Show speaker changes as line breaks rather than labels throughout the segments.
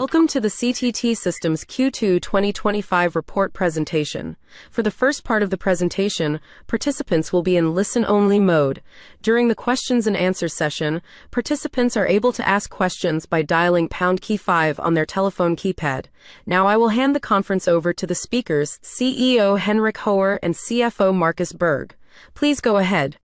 Welcome to the CTT Systems Q2 2025 report presentation. For the first part of the presentation, participants will be in listen-only mode. During the questions and answers session, participants are able to ask questions by dialing pound key five on their telephone keypad. Now, I will hand the conference over to the speakers, CEO Henrik Höjer and CFO Markus Berg. Please go ahead.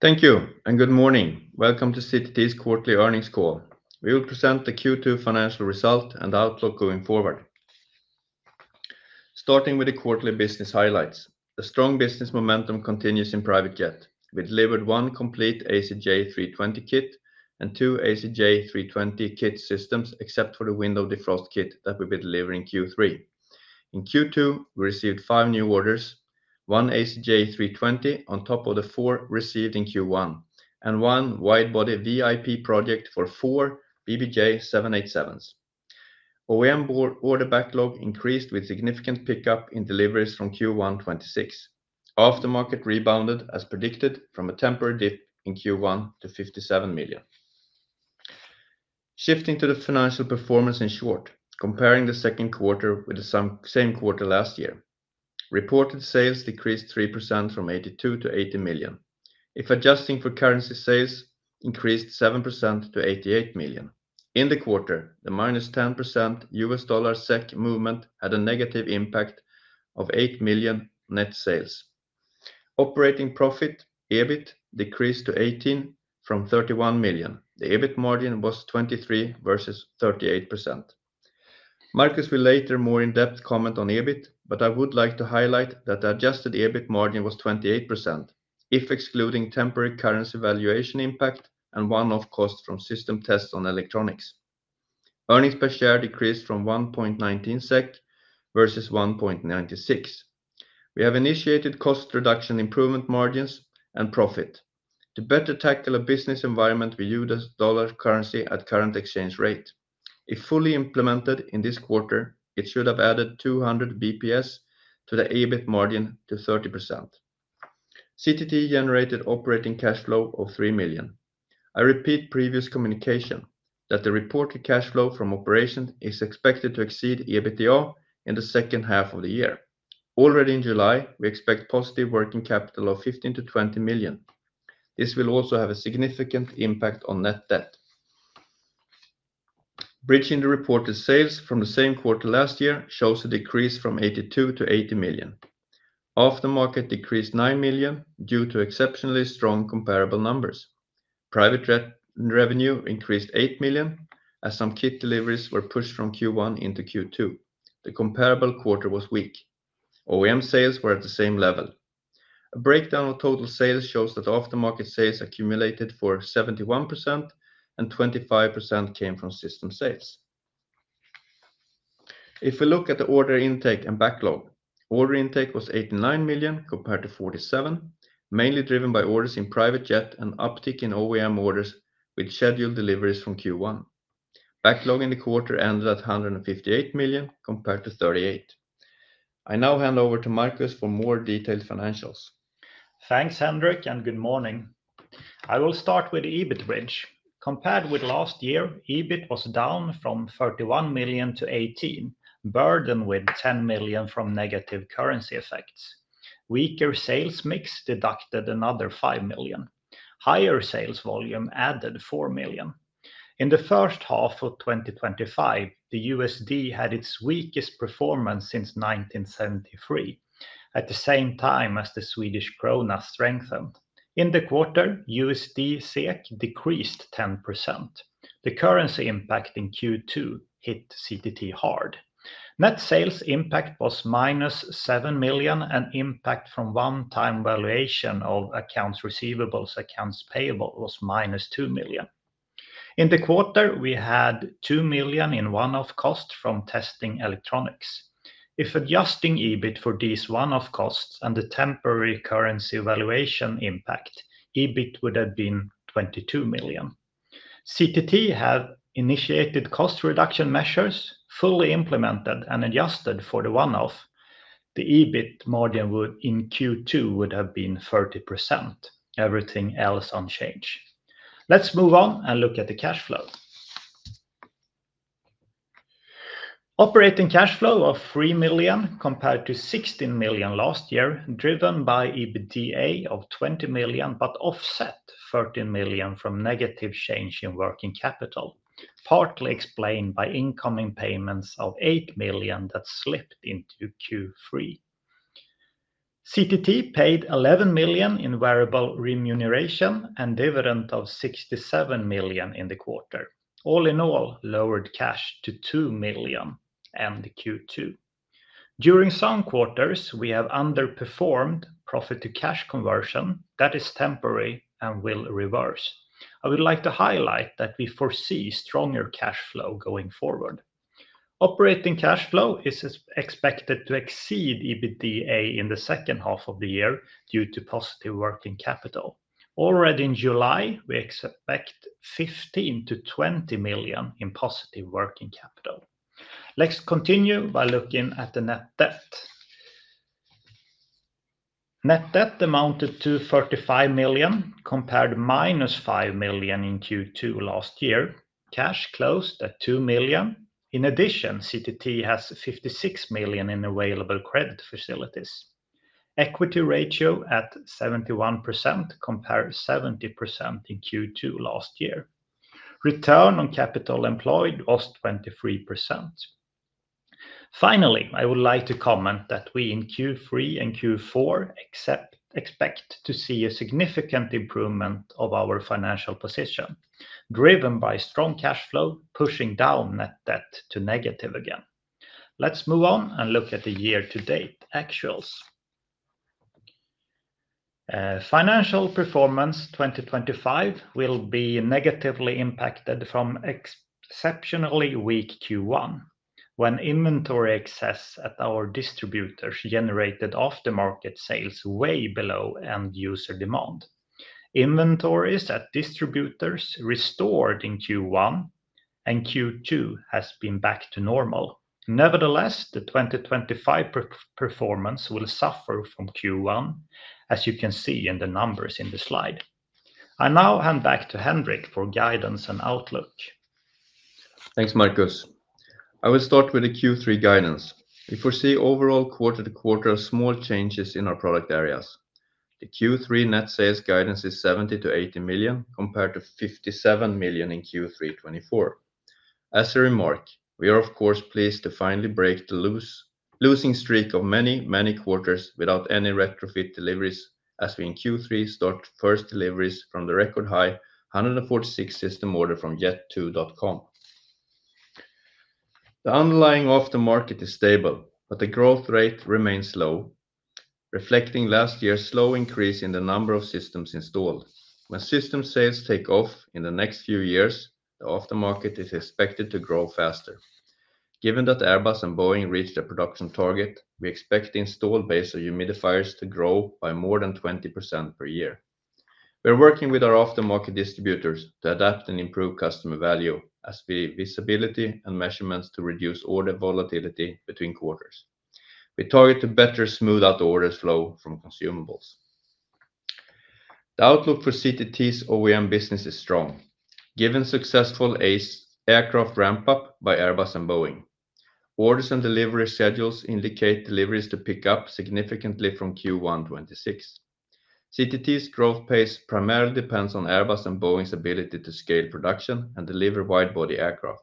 Thank you, and good morning. Welcome to CTT's quarterly earnings call. We will present the Q2 financial result and outlook going forward. Starting with the quarterly business highlights, the strong business momentum continues in private jet. We delivered one complete ACJ320 kit and two ACJ320 system kits, except for the window defrost kit that we will be delivering in Q3. In Q2, we received five new orders: one ACJ320 on top of the four received in Q1, and one widebody VIP project for four BBJ787s. OEM order backlog increased with significant pickup in deliveries from Q1 2026. Aftermarket rebounded as predicted from a temporary dip in Q1 to 57 million. Shifting to the financial performance in short, comparing the second quarter with the same quarter last year, reported sales decreased 3% from 82 million to 80 million. If adjusting for currency, sales increased 7% to 88 million. In the quarter, the -10% US dollar/SEK movement had a negative impact of 8 million net sales. Operating profit, EBIT, decreased to 18 million from 31 million. The EBIT margin was 23% versus 38%. Markus will later more in depth comment on EBIT, but I would like to highlight that the adjusted EBIT margin was 28% if excluding temporary currency valuation impact and one-off cost from system tests on electronics. Earnings per share decreased from 1.19 SEK versus 1.96. We have initiated cost reduction improvement margins and profit. To better tackle a business environment, we use dollar currency at current exchange rate. If fully implemented in this quarter, it should have added 200 bps to the EBIT margin to 30%. CTT generated operating cash flow of 3 million. I repeat previous communication that the reported cash flow from operations is expected to exceed EBITDA in the second half of the year. Already in July, we expect positive working capital of 15-20 million. This will also have a significant impact on net debt. Bridging the reported sales from the same quarter last year shows a decrease from 82 million to 80 million. Aftermarket decreased 9 million due to exceptionally strong comparable numbers. Private jet revenue increased 8 million as some kit deliveries were pushed from Q1 into Q2. The comparable quarter was weak. OEM sales were at the same level. A breakdown of total sales shows that aftermarket sales accumulated for 71% and 25% came from system sales. If we look at the order intake and backlog, order intake was 89 million compared to 47 million, mainly driven by orders in private jet and uptick in OEM orders with scheduled deliveries from Q1. Backlog in the quarter ended at 158 million compared to 38 million. I now hand over to Markus for more detailed financials.
Thanks, Henrik, and good morning. I will start with the EBIT range. Compared with last year, EBIT was down from 31 million to 18 million, burdened with 10 million from negative currency effects. Weaker sales mix deducted another 5 million. Higher sales volume added 4 million. In the first half of 2025, the USD had its weakest performance since 1973, at the same time as the Swedish krona strengthened. In the quarter, USD/SEK decreased 10%. The currency impact in Q2 hit CTT hard. Net sales impact was -7 million, and impact from one-time valuation of accounts receivables, accounts payable was -2 million. In the quarter, we had 2 million in one-off costs from testing electronics. If adjusting EBIT for these one-off costs and the temporary currency valuation impact, EBIT would have been 22 million. CTT have initiated cost reduction measures, fully implemented and adjusted for the one-off. The EBIT margin in Q2 would have been 30%. Everything else unchanged. Let's move on and look at the cash flow. Operating cash flow of 3 million compared to 16 million last year, driven by EBITDA of 20 million, but offset 13 million from negative change in working capital, partly explained by incoming payments of 8 million that slipped into Q3. CTT paid 11 million in variable remuneration and dividend of 67 million in the quarter. All in all, lowered cash to 2 million end Q2. During some quarters, we have underperformed profit-to-cash conversion that is temporary and will reverse. I would like to highlight that we foresee stronger cash flow going forward. Operating cash flow is expected to exceed EBITDA in the second half of the year due to positive working capital. Already in July, we expect 15-20 million in positive working capital. Let's continue by looking at the net debt. Net debt amounted to 35 million compared to -5 million in Q2 last year. Cash closed at 2 million. In addition, CTT has 56 million in available credit facilities. Equity ratio at 71% compared to 70% in Q2 last year. Return on capital employed was 23%. Finally, I would like to comment that we in Q3 and Q4 expect to see a significant improvement of our financial position, driven by strong cash flow pushing down net debt to negative again. Let's move on and look at the year-to-date actuals. Financial performance 2025 will be negatively impacted from exceptionally weak Q1, when inventory excess at our distributors generated aftermarket sales way below end-user demand. Inventories at distributors restored in Q1, and Q2 has been back to normal. Nevertheless, the 2025 performance will suffer from Q1, as you can see in the numbers in the slide. I now hand back to Henrik for guidance and outlook.
Thanks, Markus. I will start with the Q3 guidance. We foresee overall quarter-to-quarter small changes in our product areas. The Q3 net sales guidance is 70- 80 million compared to 57 million in Q3 2024. As a remark, we are, of course, pleased to finally break the losing streak of many, many quarters without any retrofit deliveries, as we in Q3 start first deliveries from the record high 146 system order from yet2.com. The underlying aftermarket is stable, but the growth rate remains low, reflecting last year's slow increase in the number of systems installed. When system sales take off in the next few years, the aftermarket is expected to grow faster. Given that Airbus and Boeing reached their production target, we expect the install base of humidifiers to grow by more than 20% per year. We're working with our aftermarket distributors to adapt and improve customer value as visibility and measurements to reduce order volatility between quarters. We target to better smooth out orders flow from consumables. The outlook for CTT's OEM business is strong, given successful aircraft ramp-up by Airbus and Boeing. Orders and delivery schedules indicate deliveries to pick up significantly from Q1 2026. CTT's growth pace primarily depends on Airbus and Boeing's ability to scale production and deliver widebody aircraft.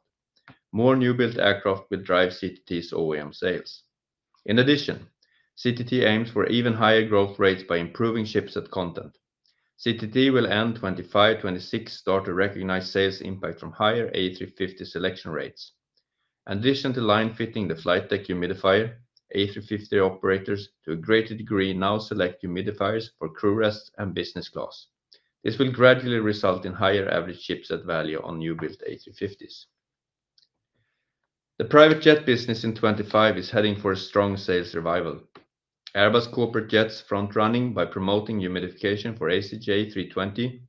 More new built aircraft will drive CTT's OEM sales. In addition, CTT aims for even higher growth rates by improving ship set content. CTT will end 2025-2026 start to recognize sales impact from higher A350 selection rates. In addition to line fitting the flight deck humidifier, A350 operators to a greater degree now select humidifiers for crew rests and business class. This will gradually result in higher average ship set value on new built A350s. The private jet business in 2025 is heading for a strong sales revival. Airbus Corporate Jets front running by promoting humidification for ACJ320,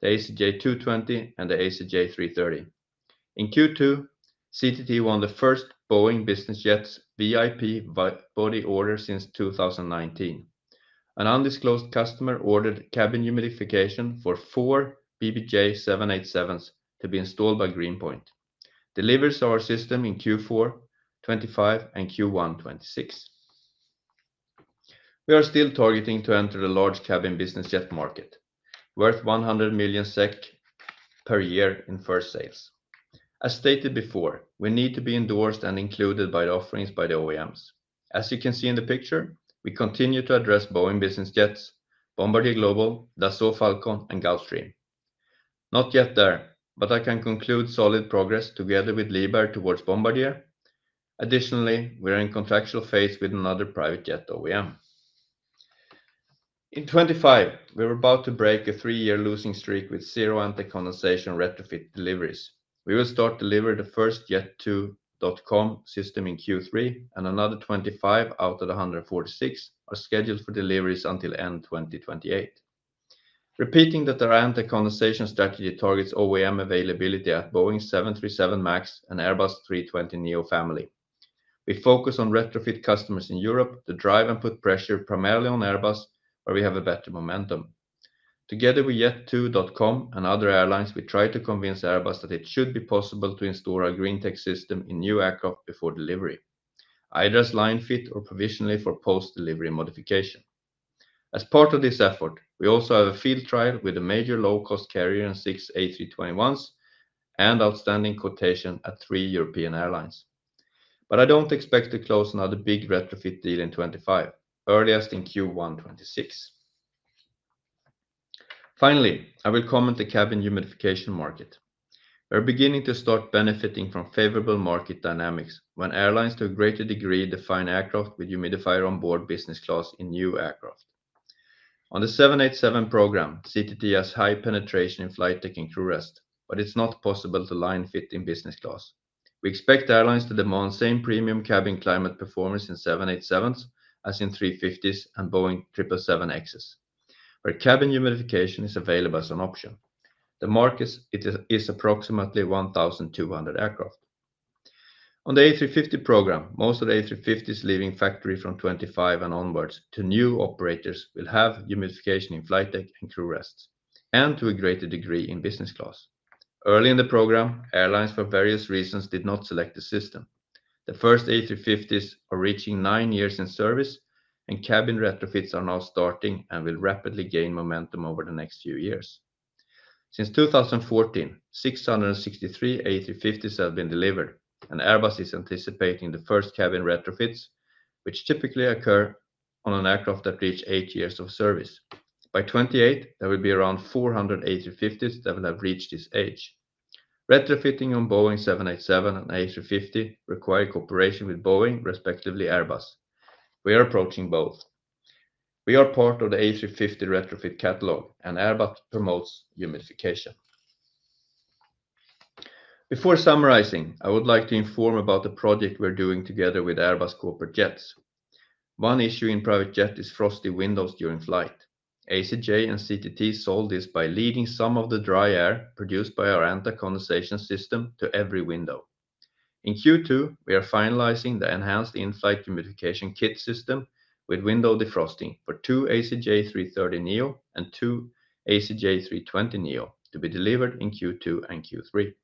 the ACJ220, and the ACJ330. In Q2, CTT won the first Boeing Business Jet's VIP body order since 2019. An undisclosed customer ordered cabin humidification for four BBJ787s to be installed by Greenpoint. Deliveries to our system in Q4 2025 and Q1 2026. We are still targeting to enter the large cabin business jet market, worth 100 million SEK per year in first sales. As stated before, we need to be endorsed and included by the offerings by the OEMs. As you can see in the picture, we continue to address Boeing Business Jets, Bombardier Global, Dassault Falcon, and Gulfstream. Not yet there, but I can conclude solid progress together with Liebherr towards Bombardier. Additionally, we are in a contractual phase with another private jet OEM. In 2025, we were about to break a three-year losing streak with zero anti-condensation retrofit deliveries. We will start delivering the first yet2.com system in Q3, and another 25 out of the 146 are scheduled for deliveries until end 2028. Repeating that our anti-condensation strategy targets OEM availability at Boeing 737 MAX and Airbus A320neo family. We focus on retrofit customers in Europe to drive and put pressure primarily on Airbus, where we have a better momentum. Together with yet2.com and other airlines, we try to convince Airbus that it should be possible to install our GreenTech system in new aircraft before delivery, either as line fit or provisionally for post-delivery modification. As part of this effort, we also have a field trial with a major low-cost carrier and six A321s and outstanding quotation at three European airlines. I don't expect to close another big retrofit deal in 2025, earliest in Q1 2026. Finally, I will comment the cabin humidification market. We're beginning to start benefiting from favorable market dynamics when airlines to a greater degree define aircraft with humidifier on board business class in new aircraft. On the 787 program, CTT has high penetration in flight deck and crew rest, but it's not possible to line fit in business class. We expect airlines to demand same premium cabin climate performance in 787s as in A350s and Boeing 777Xs, where cabin humidification is available as an option. The market is approximately 1,200 aircraft. On the A350 program, most of the A350s leaving factory from 2025 and onwards to new operators will have humidification in flight deck and crew rests and to a greater degree in business class. Early in the program, airlines for various reasons did not select the system. The first A350s are reaching nine years in service, and cabin retrofits are now starting and will rapidly gain momentum over the next few years. Since 2014, 663 A350s have been delivered, and Airbus is anticipating the first cabin retrofits, which typically occur on an aircraft that reached eight years of service. By 2028, there will be around 400 A350s that will have reached this age. Retrofitting on Boeing 787 and A350 requires cooperation with Boeing, respectively Airbus. We are approaching both. We are part of the A350 retrofit catalog, and Airbus promotes humidification. Before summarizing, I would like to inform about the project we're doing together with Airbus Corporate Jets. One issue in private jet is frosty windows during flight. ACJ and CTT solved this by leading some of the dry air produced by our anti-condensation system to every window. In Q2, we are finalizing the enhanced in-flight humidification kit system with window defrosting for two ACJ330neo and two ACJ320neo to be delivered in Q2 and Q3.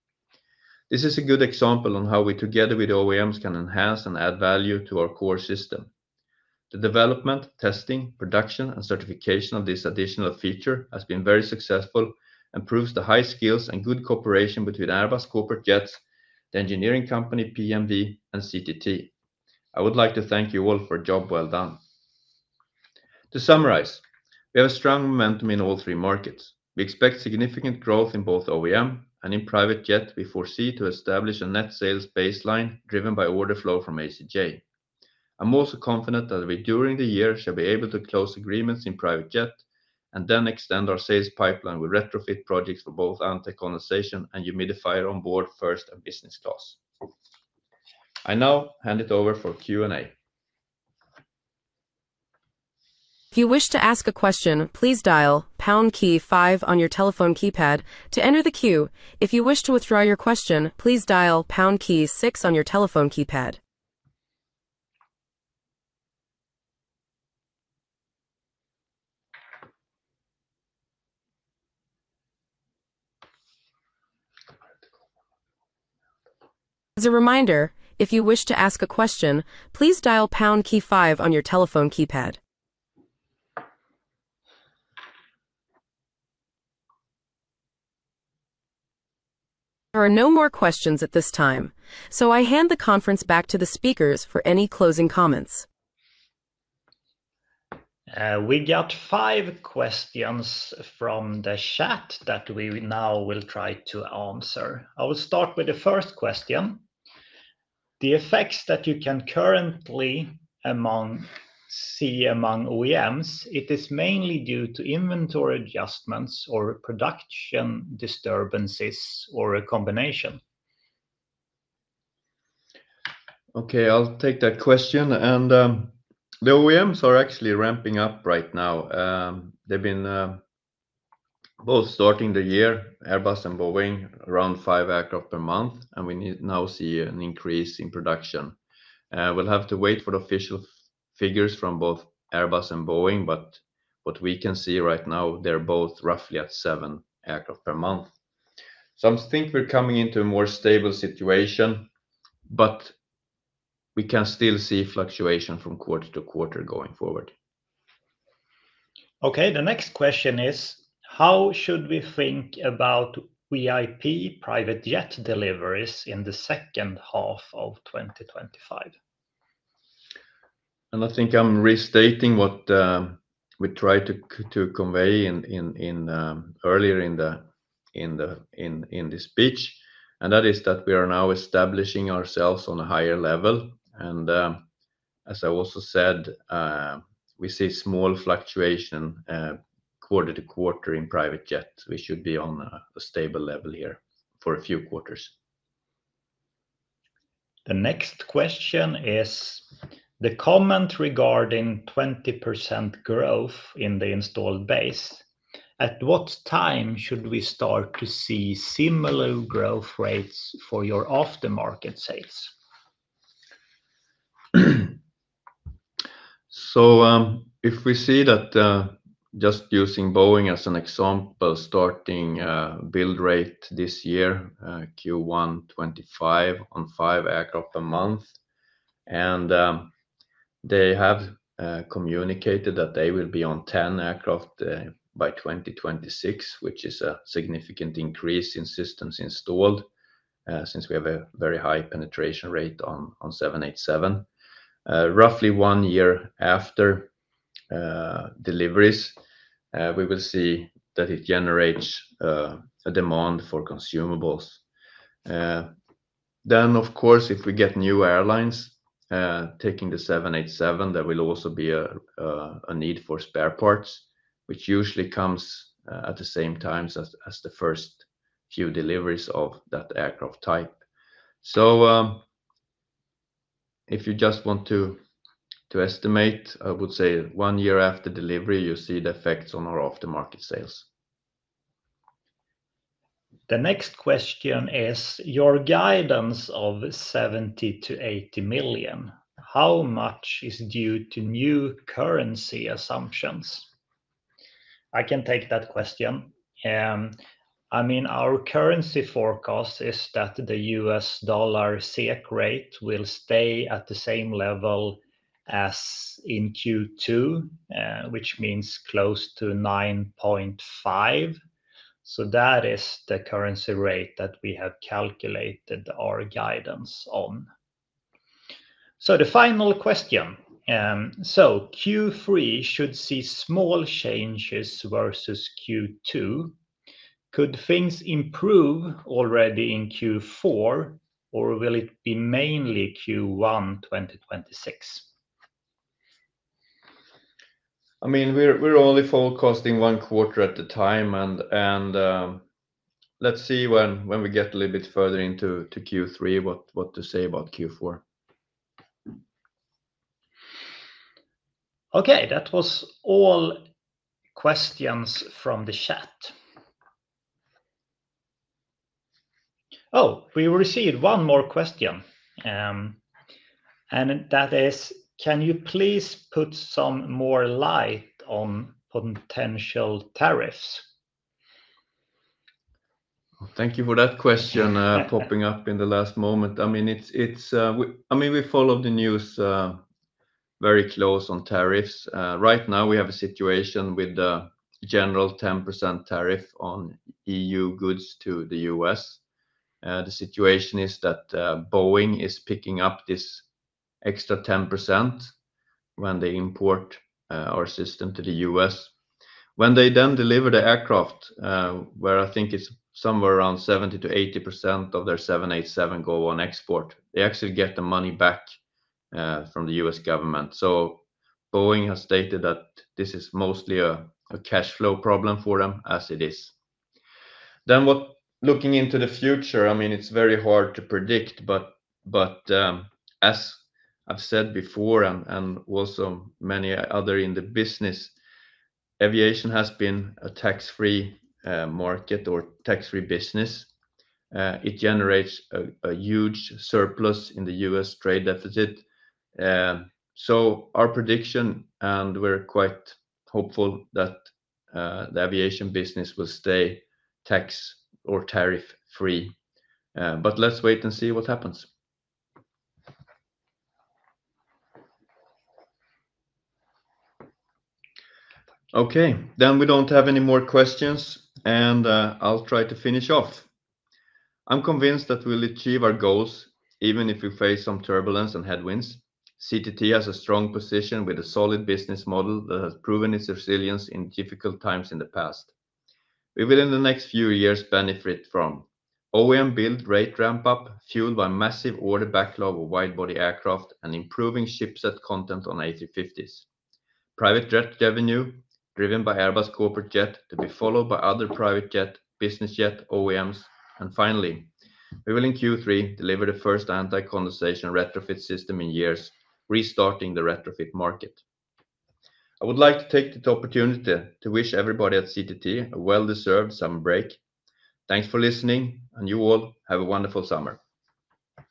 This is a good example on how we together with OEMs can enhance and add value to our core system. The development, testing, production, and certification of this additional feature has been very successful and proves the high skills and good cooperation between Airbus Corporate Jets, the engineering company PMV, and CTT. I would like to thank you all for a job well done. To summarize, we have a strong momentum in all three markets. We expect significant growth in both OEM and in private jet. We foresee to establish a net sales baseline driven by order flow from ACJ. I'm also confident that we during the year shall be able to close agreements in private jet and then extend our sales pipeline with retrofit projects for both anti-condensation and humidifier on board first and business class. I now hand it over for Q&A.
If you wish to ask a question, please dial pound key five on your telephone keypad. To enter the queue, if you wish to withdraw your question, please dial pound key six on your telephone keypad. As a reminder, if you wish to ask a question, please dial pound key five on your telephone keypad. There are no more questions at this time, so I hand the conference back to the speakers for any closing comments.
We got five questions from the chat that we now will try to answer. I will start with the first question. The effects that you can currently see among OEMs, is it mainly due to inventory adjustments, production disturbances, or a combination?
Okay, I'll take that question. The OEMs are actually ramping up right now. They've been both starting the year, Airbus and Boeing, around five aircraft per month, and we now see an increase in production. We'll have to wait for the official figures from both Airbus and Boeing, but what we can see right now, they're both roughly at seven aircraft per month. I think we're coming into a more stable situation, but we can still see fluctuation from quarter to quarter going forward.
Okay, the next question is, how should we think about VIP private jet deliveries in the second half of 2025?
I think I'm restating what we tried to convey earlier in the speech, that we are now establishing ourselves on a higher level. As I also said, we see small fluctuation quarter to quarter in private jets. We should be on a stable level here for a few quarters.
The next question is the comment regarding 20% growth in the installed base. At what time should we start to see similar growth rates for your aftermarket sales?
If we see that, just using Boeing as an example, starting build rate this year, Q1 2025, on five aircraft per month, and they have communicated that they will be on 10 aircraft by 2026, which is a significant increase in systems installed since we have a very high penetration rate on 787. Roughly one year after deliveries, we will see that it generates a demand for consumables. Of course, if we get new airlines taking the 787, there will also be a need for spare parts, which usually comes at the same times as the first few deliveries of that aircraft type. If you just want to estimate, I would say one year after delivery, you'll see the effects on our aftermarket sales.
The next question is your guidance of 70-80 million. How much is due to new currency assumptions? I can take that question. I mean, our currency forecast is that the US dollar SEK rate will stay at the same level as in Q2, which means close to 9.5%. That is the currency rate that we have calculated our guidance on. The final question. Q3 should see small changes versus Q2. Could things improve already in Q4, or will it be mainly Q1 2026?
I mean, we're only forecasting one quarter at a time, and let's see when we get a little bit further into Q3 what to say about Q4.
Okay, that was all questions from the chat. Oh, we received one more question, and that is, can you please put some more light on potential tariffs?
Thank you for that question popping up in the last moment. I mean, we followed the news very close on tariffs. Right now, we have a situation with the general 10% tariff on EU goods to the U.S. The situation is that Boeing is picking up this extra 10% when they import our system to the U.S. When they then deliver the aircraft, where I think it's somewhere around 70%-80% of their 787 go on export, they actually get the money back from the U.S. government. Boeing has stated that this is mostly a cash flow problem for them as it is. Looking into the future, I mean, it's very hard to predict, but as I've said before, and also many others in the business, aviation has been a tax-free market or tax-free business. It generates a huge surplus in the U.S. trade deficit. Our prediction, and we're quite hopeful, is that the aviation business will stay tax or tariff-free, but let's wait and see what happens. Okay, we don't have any more questions, and I'll try to finish off. I'm convinced that we'll achieve our goals, even if we face some turbulence and headwinds. CTT has a strong position with a solid business model that has proven its resilience in difficult times in the past. We will, in the next few years, benefit from OEM build rate ramp-up fueled by massive order backlog of widebody aircraft and improving ship set content on A350s. Private jet revenue driven by Airbus Corporate Jets to be followed by other private jet, business jet OEMs, and finally, we will in Q3 deliver the first anti-condensation retrofit system in years, restarting the retrofit market. I would like to take the opportunity to wish everybody at CTT a well-deserved summer break. Thanks for listening, and you all have a wonderful summer.